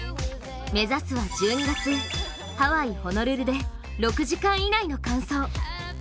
目指すは１２月ハワイ・ホノルルで６時間以内の完走。